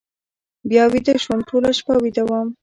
بیا ویده شوم، ټوله شپه ویده وم.